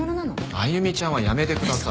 「歩ちゃん」はやめてください。